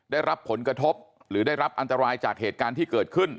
ได้รับผลกระทบหรือได้รับอันตรายจากเหตุการณ์ที่เกิดขึ้น